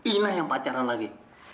inna yang pacaran lagi